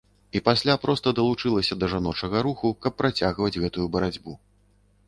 І пасля проста далучылася да жаночага руху, каб працягваць гэтую барацьбу.